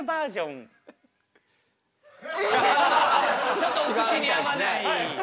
ちょっとお口に合わない。